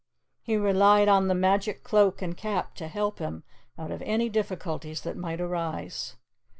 He relied on the magic Cloak and Cap to help him out of any difficulties that might arise.